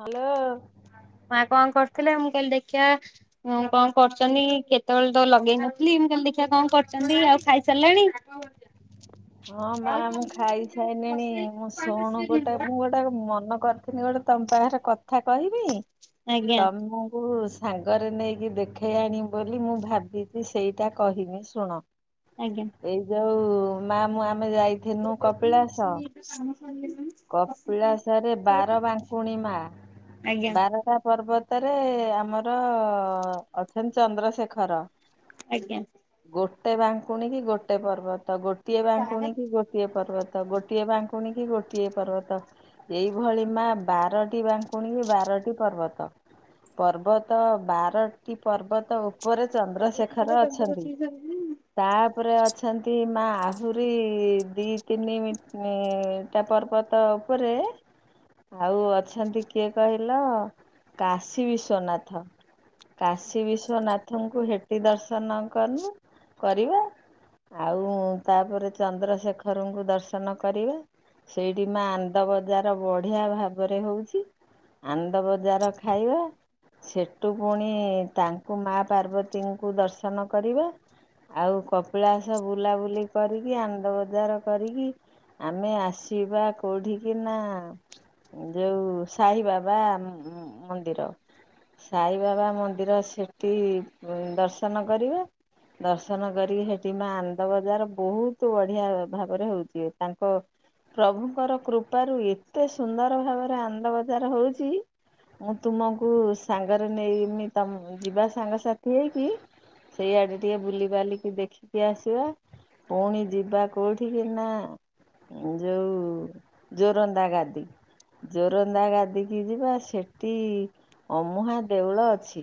Hello ମା କଣ କରିଥିଲେ ମୁଁ କହିଲି ଦେଖିବା କଣ କରୁଛନ୍ତି କେତେବେଳେ ତ ଲଗେଇ ନଥିଲି ମୁଁ କହିଲ ଦେଖିବା କଣ କରୁଛନ୍ତି ଆଉ ଖାଇ ସାରିଲଣି? ହଁ ମା ମୁଁ ଖାଇ ସାଇନିଣି ମୁଁ ଶୁଣୁ ଗୋଟେ ମୁଁ ଗୋଟେ ମନ କରିିଥିଲି ଗୋଟେ ତମ ବାହାର କଥା କହିବି ଆଜ୍ଞା ତମକୁ ସାଙ୍ଗରେ ନେଇକି ଦେଖେଇ ଆଣି ବୋଲି ମୁଁ ଭାବିଛି ସେଇଟା କହିମି ଶୁଣ। ଆଜ୍ଞା ଏଇ ଯୋଉ ମା ମୁଁ ଆମେ ଯାଇଥିନୁ କପିଳାସ। କପିଳାସରେ ବାରବାଙ୍କୁଣିମା ଆଜ୍ଞା ବାରଟା ପର୍ବତ ତରେ ଆମର ଅଛନ୍ତି ଚନ୍ଦ୍ରଶେଖର ଆଜ୍ଞା। ଗୋଟେ ବାଙ୍କୁଣୀ କି ଗୋଟେ ପର୍ବତ ଗୋଟିଏ ବାଙ୍କୁଣୀ କି ଗୋଟିଏ ପର୍ବତ। ତ ଗୋଟିଏ ବାଙ୍କୁକୁଣୀ କି ଗୋ ଗୋଟିଏ ପର୍ବତ ଏଇଭଳି ମା ବାରଟି ବାଙ୍କୁଣୀଙ୍କି ବାରଟି ପର୍ବତ। ପର୍ବତ ବାରଟି ପର୍ବତ ଉପରେ ଚନ୍ଦ୍ରଶେଖର ଅଛନ୍ତି। ତାପରେ ଅଛି ଅଛନ୍ତି ମା ଆହୁରି ଦି ତିନିମୀ ଟା ପର୍ବତ ଉପରେ ଆଉ ଅଛନ୍ତି କିଏ କହିଲ କାଶୀ ବିଶ୍ୱନାଥ। କାଶୀ ବିଶ୍ଵନାଥଙ୍କୁ ହେଟି ଦର୍ଶନ କରିନୁ କରିବ ଆଉ ତାପରେ ଚନ୍ଦ୍ରଶେଖରଙ୍କୁ ଦର୍ଶନ କରିବା। ସେଇଠି ମା ଆନ୍ଦ ବଜାର ବଢିଆ ଭାବରେ ହଉଛି। ଆନ୍ଦ ବଜାର ଖାଇବା ସେଠୁ ପୁଣି ତାଙ୍କୁ ମାଆ ପାର୍ବତୀଙ୍କୁ ଦର୍ଶନ କରିବା। ଆଉ କପିଳାସ ବୁଲାବୁଲି କରିକି ଆନ୍ଦ ବଜାର କରିକି ଆମେ ଆସିବା କୋଉଠିିକି ନା ଯୋଉ ସାଇ ବାବା ମମନ୍ଦିର ସାଇବାବା ମନ୍ଦିର ସେଠି ଦର୍ଶନ କରିବା। ଦର୍ଶନ କରି ହେଠି ମା ଆନ୍ଦ ବଜାର ବହୁତ ବଢିଆ ଭାବରେ ହଉଛି ତାଙ୍କ ପ୍ରଭୁଙ୍କର କୃପାରୁ ଏତେ ସୁନ୍ଦର ଭାବରେ ଆନ୍ଦବଜାର ହଉଛି। ମୁଁ ତୁମକୁ ସାଙ୍ଗରେ ନେଇମି ତ ଯିବା ସାଙ୍ଗସାଥି ହେଇକି ସେଇଆଡେ ଟିକେ ବୁଲି ବାଲିକି ଦେଖିକି ଆସିବା। ପୁଣି ଯିବା କୋଉଠିିକ ନା ଯୋଉ ଜୋରନ୍ଦା ଗାଦି ଜୋରନ୍ଦା ଗାଧିକି ଯିବା ସେଠି ଅମୁହା ଦେଉଳ ଅଛି।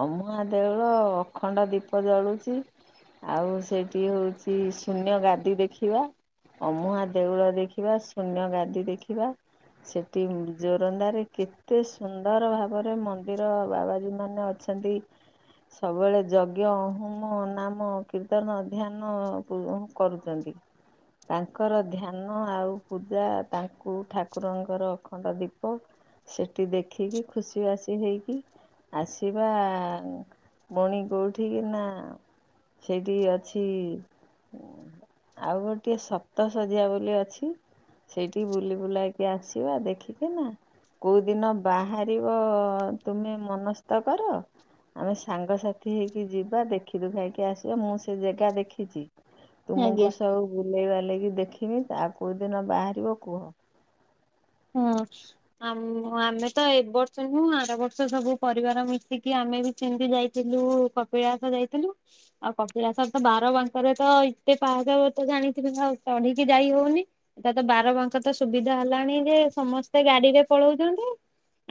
ଅମୁଆ ଦେଉଳ ଅଖଣ୍ଡ ଦୀପ ଜଳୁଚି। ଆଉ ସେଠି ହଉଛି। ଶୂନ୍ୟ ଗାଦି ଦେଖିବା। ଅମୁହା ଦେଉଳ ଦେଖିବା ସୁନ୍ୟ ଗାଦି ଦେଖିବା। ସେଠି ଜୋରନ୍ଦାରେ କେତେ ସୁନ୍ଦର ଭାବରେ ମନ୍ଦିର ବାବାଜୀ ମାନେ ଅ଼ଛ ଅଛନ୍ତି ସବୁବେଳେ ଯଜ୍ଞ ହୁମ ନାମ କୀର୍ତ୍ତନ ଧ୍ୟାନ ଦୁଇଜଣ କରୁଛନ୍ତି ତାଙ୍କର ଧ୍ୟାନ ହଁ ଆଉ ପୂଜା ତାଙ୍କୁ ଠାକୁରଙ୍କର଼଼ ଖଣ୍ଡ ଦୀପ ସେଠି ଦେଖିକି ଖୁସି ବାସି ହେଇକି ଆସିବା ଭୋଉଣୀ କୋଉଠି କି ନା଼ ସେଇଠି ଅଛି ଆଉ ଗୋଟେ଼ ଟିକେ ସପ୍ତ ଶଜିଆ ବୋଲି ଅଛି ସେଇଠିକି ବୁଲି ବୁଲାକି ଆସିବା ଦେଖିକି ନା କୋଉ ଦିନ ବାହାରିବ ତୁମେ ମନସ୍ତା଼ କର ଆଉ ସାଙ୍ଗସାଥି ହେଇକି ଯିବ ଦେଖି ଦୁଖାକି ଆସିବ ମୁଁ ସେ ଜେଗା ଦେଖିଛି ତୁମକୁ ଆଜ୍ଞା ସବୁ ବୁଲେଇ ବାଲେଇକି ଦେଖିମି ତା କୋଉଦିନ ବାହାରିବ କୁହ? ହଁ ଆମ ଆମେ ତ ଏ ବର୍ଷ ନୁହ ଆର ବର୍ଷ ସବୁ ପରିବାର ମିଶିକି ଆମେ ବି। ସେମିତି ଯାଇଥିଲୁ କପିଳାସ ଯାଇଥିଲୁ ଆଉ କପିଳାସ ତ ବାର ବାଙ୍କରେ ତ ଏତେ ପା [unintelligible] ଜାଣିଥିବେ ଆଉ ଚଢିକି ଯାଇ ହଉନି ଏଟା ତ ବାରବାଙ୍କ ତ ସୁବିଧା ହେଲାଣି ଯେ ସମସ୍ତେ ଗାଡିରେ ପଳଉଚନ୍ତି।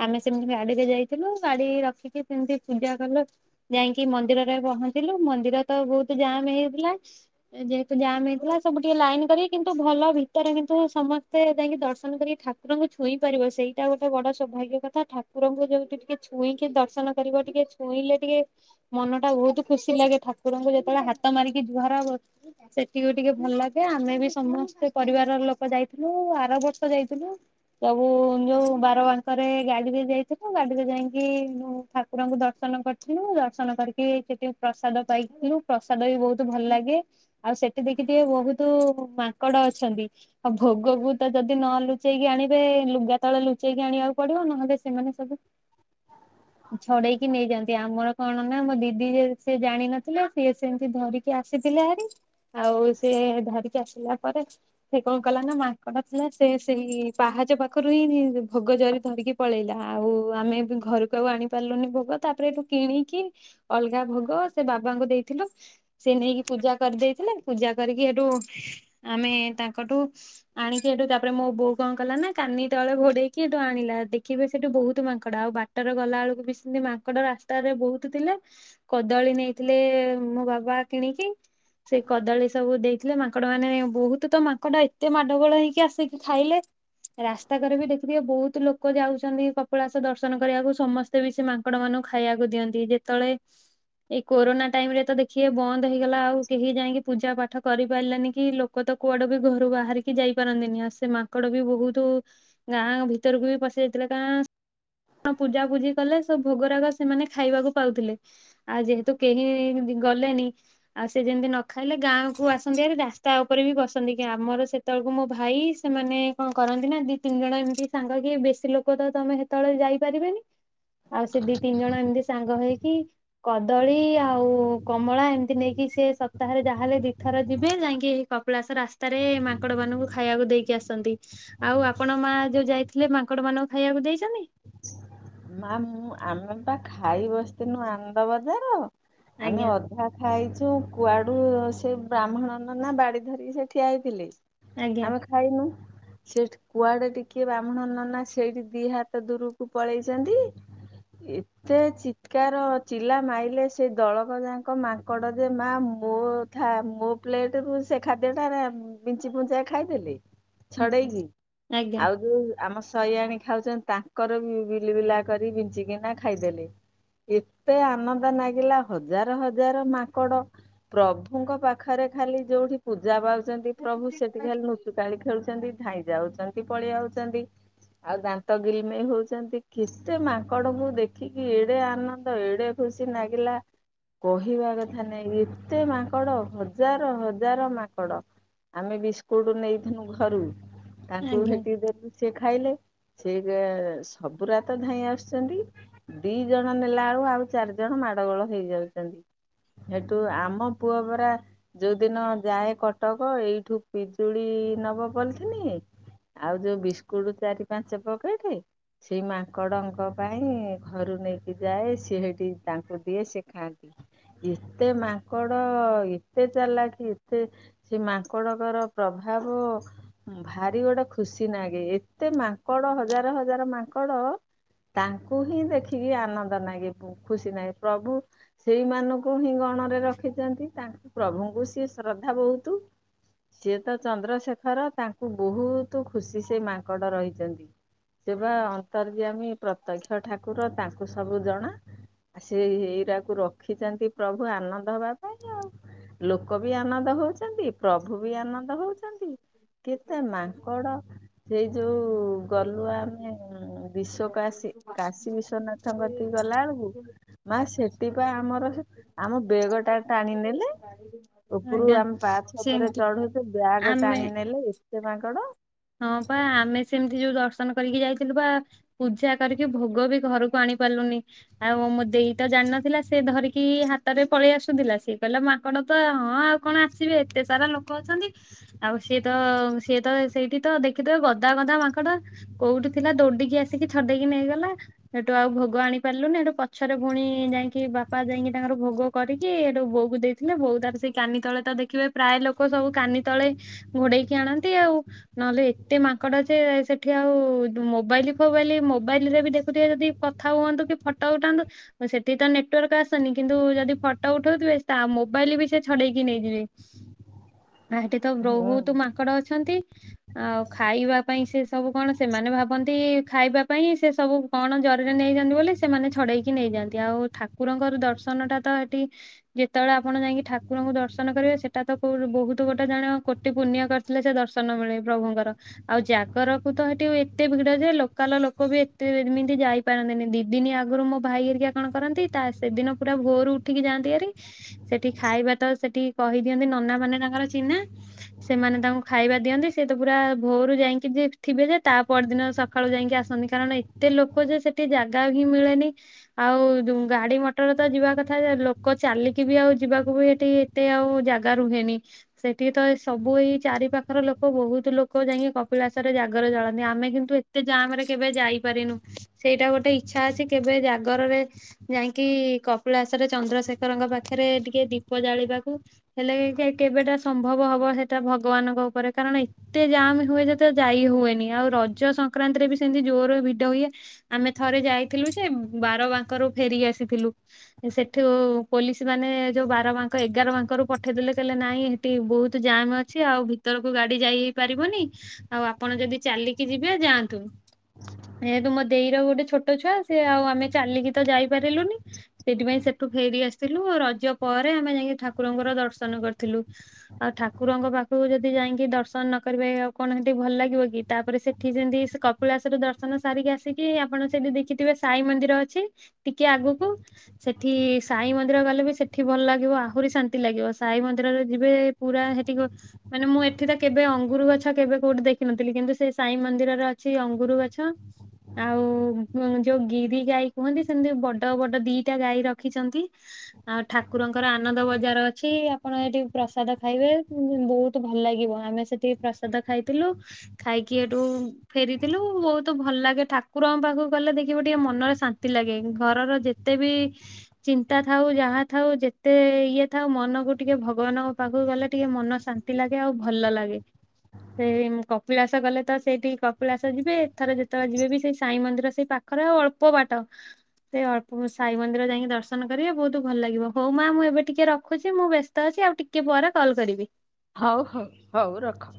ଆମେ ସେମିତି ଗାଡିରେ ଯାଇଥିଲୁ ଗାଡି ରଖିକି ସେମତି ପୂଜା କଲୁ ଯାଇଁକି ମନ୍ଦିରରେ଼ ବ ପହଞ୍ଚିଲୁ ମନ୍ଦିର ତ ବହୁତ ଜାମ୍ ହେଇଥିଲା ଏ ଯେହେତୁ ଜାମ୍ ହେଇଥିଲା ସବୁ ଟିକେ ଲାଇନ କରି କିନ୍ତୁ଼ ଭଲ ଭିତରେ କିନ୍ତୁ ସମସ୍ତେ ଯାଇଁକି ଦର୍ଶନ କରିକି ଠା ଠାକୁରଙ୍କୁ ଛୁଇଁ ପାରିବ ସେଇଟା ଗୋଟେ ବଡ ସୌଭାଗ୍ୟ କଥା ଠାକୁରଙ୍କୁ ଯେମିତି ଟିକେ ଛୁଇଁକି ଦର୍ଶନ କରିବ ଟିକେ। ଛୁଇଁଲେ ଟିକେ ମନ ଟା ବହୁତ ଖୁସି ଲାଗେ ଠାକୁରଙ୍କୁ ଯେତେବେଳେ ହାତ ମାରିକି ଜୁହାର ହବ। ସେଠି ବି ଟିକେ ଭଲ୍ ଲାଗେ ଆମେ ବି ସମସ୍ତେ ପରିବାର ଲୋକ ଯାଇଥିଲୁ ଆର ବର୍ଷ ଯାଇଥିଲୁ। ସବୁ ଯୋଉ ବାର ବାଙ୍କରେ ଗାଡିରେ ଯାଇଥିଲୁ ଗାଡିରେ ଯାଇଁକି ନୁ ଠା ଠାକୁରଙ୍କୁ ଦର୍ଶନ କରିଥିଲୁ ଦର୍ଶନ କରି କି ସେଠି ପ୍ରସାଦ ପାଇଥିଲୁ ପ୍ରସାଦ ବି ବହୁତ ଭଲ୍ ଲାଗେ ଆଉ ସେଠି ଦେଖିଥିବେ ବହୁତୁ। ମାଙ୍କଡ ଅଛନ୍ତି ଆଉ ଭୋଗକୁ ତ ଯଦି ନ ଲୁଚେଇକି ଆଣି ବେ ଲୁଗା ତଳେ ଲୁଚେଇକି ଆଣିବାକୁ ପଡିବ ନହେଲେ ସେମାନେ ସବୁ଼। ଼଼଼଼଼଼଼ ଛଡେଇକି ନେଇଯାନ୍ତି ଆମର କଣ ନା ମୋ ଦିଦି ଯେ ସେ ଜାଣିନଥିଲେ ସିଏ ସେମିତି ଧରିକି ଆସି ଥିଲେ ହେରି। ଆଉ ସେ ଧରିକି ଆସିଲା ପରେ ସେ କଣ କଲା ନା ମାଙ୍କଡ ଥିଲା ସେ ସେଇ। ପାହାଚ ପାଖରୁ ହିଁ ଭୋଗ ଜରି ଧରିକି ପଳେଇଲା ଆଉ ଆମେ ବି ଘରକୁ ଆଉ ଆଣି ପାରିଲୁନି ଭୋଗ। ତାପରେ ଏଠୁ କିଣିକି ଅଲଗା ଭୋଗ ସେ ବାବାଙ୍କୁ ଦେଇଥିଲୁ ସେ ନେଇକି ପୂଜା କରିଦେଇ। ଥିଲେ ପୂଜା କରିକି ଏଠୁ ଆମେ ତାଙ୍କଠୁ ଆଣିକି ଏଠୁ ତାପରେ ମୋ ବୋଉ। କଣ କଲା ନା କାନି ତଳେ ଘୋଡେଇକି ଏଠୁ ଆଣିଲା ଦେଖିବେ ସେଠୁ ବହୁତୁ ମାଙ୍କଡ ଆଉ ବାଟରେ ଗଲା ବେଳୁକୁ ବି ସେ ମାଙ୍କଡ ରାସ୍ତାରେ ବହୁତୁ ଥିଲେ କଦଳୀ ନେଇଥିଲେ ମୋ ବାବା କିଣିକି। ସେ କଦଳୀ ସବୁ ଦେଇଥିଲେ ମାଙ୍କଡ ମାନେ ବହୁତୁ ତ ମାଙ୍କଡ ଏତେ ମାଡ ଗୋଳ ହେଇକି ଆସିକି ଖାଇଲେ। ରାସ୍ତା କରେ ବି ଦେଖିଥିବେ ବହୁତୁ ଲୋ କ ଯାଉଛନ୍ତି କପିଳାସ ଦର୍ଶନ କରିବାକୁ ସମସ୍ତେ ବି ସେ ମାଙ୍କଡ ମାନଙ୍କୁ ଖାଇବାକୁ ଦିଅନ୍ତି ଯେତଳେ। ଏଇ କୋରୋନା ଟାଇମ ରେ ତ ଦେଖିବେ ବନ୍ଦ ହେଇଗଲା ଆଉ କେହି ଯାଇଁକି ପୂଜା ପାଠ କରିପାରିଲେନି କି ଲୋକ ତ କୁଆଡେ ବି ଘରୁ ବାହାରିକି ଯାଇ ପାରନ୍ତି ନି ଆଉ ସେ ମା ମାଙ୍କଡ ବି ବହୁତୁ ଗାଁ ଭିତରକୁ ବି ପଶି ଯାଇଥିଲେ କାରଣ କଣ ପୂଜା ପୂଜିି କଲେ ସେ ଭୋଗରାଗ ସେମାନେ ଖାଇବାକୁ ପାଉଥିଲେ ଆଉ ଯେହେତୁ କେହି ଦି ଗଲେନି ଆଉ ସେ ଯେମିତି ନ ଖାଇଲେ ଗାଁ କୁ ଆସନ୍ତି ହେରି ରାସ୍ତା ଉପରେ ବି ବସନ୍ତି କି ଆମର ସେତ ବେଳକୁ ମୋ ଭାଇ ସେମାନେ କଣ କରନ୍ତି ନା ଦି ତିନି ଜଣ ଏମିତି ସାଙ୍ଗ କିଏ ବେଶୀ ଲୋକ ତ ତମେ ହେତଳେ ଯାଇପାରିବେନି ଆଉ ସେ ଦି ତିନି ଜଣ ଏମିତି ସାଙ୍ଗ ହେଇ କି କଦଳୀ ଆଉ କମଳା ଏମିତି ନେଇକି ସେ ସପ୍ତାହରେ ଯାହାହେଲେ ଦିଥର ଯିବେ। ଯାଇଁକି କପିଳାସ ରାସ୍ତାରେ ମାଙ୍କଡ ମାନଙ୍କୁ ଖାଇବାକୁ ଦେଇକି ଆସନ୍ତି ଆଉ ଆପଣ ମା ଯୋଉ ଯାଇ ଯାଇଥିଲେ ମାଙ୍କଡ ମାନଙ୍କୁ ଖାଇବାକୁ ଦେଇଛନ୍ତି। ମା ମୁଁ ଆମେ ପା ଖାଇ ବସିଥିନୁ ଆନନ୍ଦ ବଜାର। ଆମେ ଆଜ୍ଞା ଅଧା ଖାଇ ଚୁ କୁଆଡୁ ସେ ବ୍ରାହ୍ମଣ ନନା ବାଡି ଧରିକି ସେ ଠିଆ ହେଇଥିଲେ। ଆଜ୍ଞା ଆମେ ଖାଇନୁ। ସେଠି କୁଆଡେ ଟିକେ ବ୍ରାହ୍ମଣ ନନା ସେଇଠି ଦି ହାତ ଦୂରକୁ ପଳେଇଛନ୍ତି। ଏତେ ଚିତ୍କାର ଚିଲା ମାଇଲେ ସେ ଦଳକ ଯାକ ମାଙ୍କଡ ଯେ ମା ମୋ ଥା ମୋ ପ୍ଲେଟରୁ ସେ ଖାଦ୍ୟ ଟା ରେ ଉଁ ବିଞ୍ଚି ବୁଞ୍ଚା ଖାଇଦେଲେ। ଆଜ୍ଞା ଛଡେଇକି ଆଜ୍ଞା ଆଉ ଯୋଉ ଆମ ଶୟାଣି ଖାଉଛନ୍ତି ତା ତାଙ୍କର ବିଲି ବିଲା କରି ବିଞ୍ଚିକିନା ଖାଇଦେଲେ। ଏତେ ଆନନ୍ଦ ନାଗିଲା ହଜାର ହଜାର ମାଙ୍କଡ ପ୍ରଭୁଙ୍କ ପାଖରେ। ଖାଲି ଯୋଉଠି ପୂଜା ପାଉଛନ୍ତି ପ୍ରଭୁ ସେଠି ଖାଲି ନୁଚୁକାଳି ଖେଳୁ ଧାଇ ଯାଉଛନ୍ତି ପଳେଇ ଆଉଛନ୍ତି ଆଉ ଦାନ୍ତ ଗିରି ମେନେ ହଉଛନ୍ତି କେତେ ମାଙ୍କଡ ମୁ ଦେଖିକି ଏଡେ ଆନନ୍ଦ ଏଡେ ଖୁସି ଲାଗିଲା। କହିବା କଥା ନାଇଁ ଏତେ ମାଙ୍କଡ ହଜାର ହଜାର ମାଙ୍କଡ ଆମେ ବିସ୍କୁଟ ନେଇଥିଲୁ ଘରୁ ତାଙ୍କୁ ଆଜ୍ଞା ହେଟି ଦେଲୁ ସେ ଖାଇଲେ ସେ ସବୁରା ତ ଧାଇଁ ଆସୁଛନ୍ତି ଦି ଜଣ ନେଲା ବେଳୁ ଆଉ ଚାରି ଜଣ ମାଡଗୋଳ ନେଇ ଯାଉଛନ୍ତି। ସେଠୁ ଆମ ପୁଅ ପରା ଯୋଉ ଦିନ ଯାଏ କଟକ ଏଇଠୁ ପିଜୁଳି ନବ ପଲିଥିନିଏ ଆଉ ଯୋଉ ବିସ୍କୁଟ ଚାରି ପାଞ୍ଚ ପକେଟ ସେଇ ମାଙ୍କଡଙ୍କ ପାଇଁ ଘରୁ ନେଇକି ଯାଏ ସିଏ ହେଠି ତାଙ୍କୁ ଦିଏ ସେ ଖାନ୍ତି। ଏତେ ମାଙ୍କଡ ଏତେ ଚାଲାକି ଏତେ ସେ ମାଙ୍କଡଙ୍କର ପ୍ରଭାବ ଭାବ ଭାରି ଗୋଟେ ଖୁସି ନାଗେ ଏତେ ମାଙ୍କଡ ହ ହଜାର ହଜାର ମାଙ୍କଡ ତାଙ୍କୁ ହିଁ ଦେଖିକି ଆନନ୍ଦ ନଗେ ଖୁସି ନାଗେ ପ୍ରଭୁ ସେଇମାନଙ୍କୁ ହିଁ ଗଣ ମନରେ ରଖିଛନ୍ତି ତାଙ୍କ ପ୍ରଭୁଙ୍କୁ ସିଏ ଶ୍ରଦ୍ଧା ବହୁତ ସିଏ ତ ଚନ୍ଦ୍ରଶେଖର ତାଙ୍କୁ ବହୁତ ଖୁସି ସେ ମାଙ୍କଡ ରହିଛନ୍ତି। ସେ ପା ଅନ୍ତରୟାମୀ ପ୍ରତ୍ୟକ୍ଷ ଠାକୁର ତାଙ୍କୁ ସବୁ ଜଣା ସେ ଏଇରାକୁ ରଖିଛନ୍ତି ପ୍ରଭୁ ଆନନ୍ଦ ହବା ପାଇଁ ଆଉ ଲୋକ ବି ଆନନ୍ଦ ହଉଛନ୍ତି। ପ୍ରଭୁ ବି ଆନନ୍ଦ ହଉଛନ୍ତି କେତେ ମାଙ୍କଡ ସେଇ ଯୋଉ ଗଲ ଆମେ ବିଶ୍ୱକାଶୀ କାଶୀ ବିଶ୍ଵନାଥଙ୍କ କତି କି ଗଲା ବେଳକୁ ମା ସେ ସେଠି ପା ଆମର ଆମ ବେଗ ଟା ଟାଣିିନେଲେ ଉପରୁ ଆଜ୍ଞା ଆମେ ପାଛ ଉପରେ ସେମତି ସେ ବ୍ୟାଗ ଆମେ ଟାଣି ନେଲେ ଏତେ ମାଙ୍କଡ ହଁ ବା ଆମେ ସେମିତି ଯୋଉ ଦର୍ଶନ କରିକି ଯାଇଥିଲୁ ବା ପୂଜା କରିକି ଭୋଗ ବି ଘରକୁ ଆଣିପାରିଲୁ ଆଉ ମୋ ଦେଇ ତ ଜାଣିନଥିଲା ସେ ଧରିକି ହାତରେ ପଳେଇ ଆସୁଥିଲା ସିଏ କହିଲା ମାଙ୍କଡ ତ ହଁ ଆଉ କଣ ଆସିବେ ଏତେ ସାରା ଲୋକ ଅଛନ୍ତି ଆଉ ସିଏ ତ ସିଏ ତ ସେଇଠି ତ ଦେଖିଦ ଗଦା ଗଦା ମାଙ୍କଡ କୋଉଠି ଥିଲା ଦୌଡିକି ଆସିକି ଛଡେଇକି ନେଇଗଲା ସେଠୁ ଆଉ ଭୋଗ ଆଣି ପାରିଲୁନି ଏଠୁ ପଛରେ ଭଉଣୀ ଯାଇକି ବାପା ଯାଇକି ତାଙ୍କର ଭୋଗ କରିକି ଏଠୁ ବୋଉକୁ ଦେଇକି ଥିଲେ ବହୁ ତାର ସେଇ କାନି ତଳେ ତ ଦେଖିବେ ପ୍ରାୟ ଲୋକ ସବୁ କାନି ତଳେ ଘୋଡେଇକି ଆଣନ୍ତି ଆଉ ନହେଲେ ଏତେ ମାଙ୍କଡ, ଅ ସେଠି ଆଉ ମୋବାଇଲ ଫୋବାଇଲ ମୋବାଇଲ ରେ ବି ଦେଖୁଥିବେ ଯଦି ଥା ହୁଅନ୍ତୁ କି ଫଟ ଉଠାନ୍ତୁ, ସେଠି ତ ନେଟୱାର୍କ ଆସନି କିନ୍ତୁ ଯଦି ଫଟୋ ଉଠାଉଥିବେ ତା ମୋବାଇଲ ବି ସେ ଛଡେଇକି ନେଇଯିବେ। [inaudible] ବା ଏଠି ତ ବୋ ହୁଁ ବହୁତ ମାଙ୍କଡ ଅଛନ୍ତି। ଆଉ ଖାଇବା ପାଇଁ ସେ ସବୁ କଣ, ସେମାନେ ଭାବନ୍ତି ଖାଇବା ପାଇଁ ସେ ସବୁ କଣ ଜରିରେ ନେଇ ସିଖିଛନ୍ତି ବୋଲି, [unintelligible] ସେମାନେ ଛଡେଇକି ନେଇଯାନ୍ତି ଆଉ ଠାକୁରଙ୍କର ଦର୍ଶନ ଟା ତ ସେଠି ଯେତେବେଳେ ଆପଣ ଯାଇଁ ଯାଇଁ କି ଠାକୁରଙ୍କୁ ଦର୍ଶନ କରିବା ସେଟା ତ ବହୁତ ଗୋଟେ ଜଣେ କୋଟି ପୁଣ୍ୟ କରିଥିଲେ, ସେ ଦର୍ଶନ ମିଳେ। ପ୍ରଭୁଙ୍କର, ଆଉ ଜାଗରକୁ ତ ସେଠି ଏତେ ଭିଡ଼ ଯେ ଲୋକାଲ ଲୋକ ବି ଏତେ ଏମିତି ଯାଇପାର ମାନେ ଦି ଦିନ ଆଗରୁ ମୋ ଭାଇ ଏରିକା କଣ କରନ୍ତି, ତା ସେଦିନ ପୁରା ଭୋରୁ ଉଠିକି ଯାଆନ୍ତି ଆରି ସେଠି, ସେଠି ଖାଇବା ତ ସେଠି କହିଦିଅନ୍ତି ନନା ମାନେ ତାଙ୍କର ଚିହ୍ନା, ସେମାନେ ତାଙ୍କୁ ଖାଇବା ଦିଅନ୍ତି। ସେ ତ ପୁରା ଭୋରୁ ଯାଇକି ଯେ ଥିବେ ଯେ ତା ପରଦିନ ସକାଳୁ ଯାଇକି ଆସନ୍ତି, କାରଣ ଏତେ ଲୋକ ଯେ ସେ ଗୋଟେ ଜାଗା ହିଁ ମିଳେନି, ଆଉ ଦୁ ଗାଡ଼ି ମଟର ତ ଯିବା କଥା ଲୋକ ଚାଲିକି ବି ଆଉ, ଯିବାକୁ ବି ଏଠି ଏତେ ଆଉ ଜାଗା ରୁହେନି, ସେଠି ତ ସବୁ ଏଇ ଚାରି ପାଖର ଲୋକ୍ ଅ ବହୁତ ଲୋକ ଯାଇକି କପିଳାସରରେ ଜାଗର ଜଳାନ୍ତି ଆମେ କିନ୍ତୁ ଏତେ ଜାମରେ କେବେ ଯାଇପାରିନୁ। ସେଇଟା ଗୋଟେ ଇଚ୍ଛା ଅଛି କେବେ ଜାଗରରେ ଯାଇକି, କପିଳାସରେ ଚନ୍ଦ୍ରଶେଖରଙ୍କ ପାଖରେ, ଏ ଟିକେ ଦୀପ ଜାଳିବାକୁ, ହେଲେ କେବେଟା ସମ୍ଭବ ହବ ସେଟା ଭଗବାନଙ୍କ ଉପରେ। କାରଣ ଏତେ ଜାମ୍ ହୁଏ, ଯେତେ ଯାଇ ହୁଏନି, ଆଉ ରଜ ସଂକ୍ରାନ୍ତିରେ ବି ସେମିତି ଜୋରେ ଭିଡ଼ ହୁଏ। ଆମେ ଥରେ ଯାଇଥିଲୁ ଯେ -ବାର ବାଙ୍କରୁ ଫେରିିକି ଆସିଥିଲୁ ସେଠୁ ପୋଲିସ୍ ବାଲ ମାନେ ଯୋଉ ବାର ମାଙ୍କ ଏଗାର ବାଙ୍କ ରୁ ପଠେଇଦେଲେ କହିଲେ ନାଇଁ, ଏଠି ବହୁତ ଜମ୍ ଅଛି ଆଉ ଭିତର କୁ ଗାଡ଼ି ଯାଇ ପାରିବନି ଆଉ ଆପଣ ଯଦି ଚାଲିକି ଯିବେ ଯାଆନ୍ତୁ। ଯେହେତୁ ମୋ ଦେଇ ର ଗୋଟେ ଛୋଟ ଛୁଆ ସେ ଆଉ ଆମେ ଚାଲିକି ତ ଯାଇପାରିଲୁନି ସେଥିପାଇଁ ସେ ଠୁ ଫେରି ଆସିଥିଲୁ ରଜ ପରେ ଆମେ ଯାଇକି ଠାକୁରଙ୍କର ଦର୍ଶନ କରିଥିଲୁ ଆଉ ଠାକୁରଙ୍କ ପାଖକୁ ଯଦି ସେ ଯାଇକି ଦର୍ଶନ ନ କରିବେ ଆଉ କଣ, ଏଠି ଭଲ ଲାଗିବ କି ତାପରେ ସେଠି ଯେମିତି କପିଳାସରେ ଦର୍ଶନ ସାରିକ ଇଏ ଆସିକି ଆପଣ ସେଠି ଦେଖିଥିବେ ସାଇ ମନ୍ଦିର ଅଛି ଟିକେ ଆଗକୁ ସେଠି ସାଇ ମନ୍ଦି ମନ୍ଦିର ଗଲେ ବି ସେଠି ଭଲ ଲାଗିବ ଆହୁରି ଶାନ୍ତି ଲାଗିବ ସାଇ ମନ୍ଦିରରେ ଯିବେ ପୁରା ସେଠି ଗ ମାନେ ମୁଁ ଏଠି କେବେ ଅଙ୍ଗୁୁର ଗଛ କେବେ କୋଉଠି ଦେଖିନଥିଲି କିନ୍ତୁ ସେ ସାଇ ମନ୍ଦିର ରେ ଅଛି ଅଙ୍ଗୁର ଗଛ। ଆଉ ଯୋଉ ଗିରି ଗାଈ କୁହନ୍ତି ସେମିତି ବଡ଼ ବଡ଼ ଦିଟା ଗାଈ ରଖିଛନ୍ତି। ଆଉ ଠାକୁରଙ୍କ ର ଆନନ୍ଦ ବଜାର ଅଛି ଆପଣ ଏଠି ପ୍ରସାଦ ଖାଇବେ ବହୁତ୍। ଭଲ ଲାଗିବ ଆମେ ସେଠି ପ୍ରସାଦ ଖାଇଥିଲୁ ଖାଇକି ହେଟୁ ଫେରିଥିଲୁ ବହୁତ ଭଲ। ଭଲ ଲାଗେ ଠାକୁରଙ୍କ ପାଖକୁ ଗଲେ ଦେଖିବ ଟିକେ ମନରେ ଶାନ୍ତି ଲାଗେ ଘରର ଯେତେ ବି ଚିନ୍ତା। ଚିନ୍ତା ଥାଉ ଯାହା ଥାଉ ଯେତେ ଇଏ ଥାଉ ମନକୁ ଟିକେ ଭଗବାନଙ୍କ ପାଖକୁ ଗଲେ ଟିକେ ମନ ଶାନ୍ତ ନ୍ତି ଲାଗେ ଆଉ ଭଲ ଲାଗେ। ସେଇ କପିଳାସ ଗଲେ ତ ସେଇଠିକି କପିଳାସ ଯିବେ ଏଥରେ ଯେତେବେଳେ ଯିବେ ବି ସେଇ ସାଇ ମନ୍ଦିର ସେଇ ପା ଖରେ ଓ ଅଳ୍ପ ବାଟ। ସେ ଅଳ୍ପ ବ ସାଇ ମନ୍ଦିର ଯାଇକି ଦର୍ଶନ କରିବେ ବହୁତ ଭଲ ଲାଗିବ ହଉ ମା ମୁଁ ଏବେ ଟିକେ ରଖୁଛି ମୁଁ ବ୍ୟସ୍ତ ଅଛି। ଆଉ ଟିକେ ପରେ କଲ୍ କରିବି। ହଉ ହଉ ହଉ ରଖ।